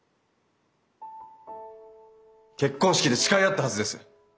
結婚式で誓い合ったはずです。